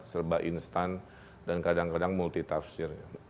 serba instan dan kadang kadang multi tafsir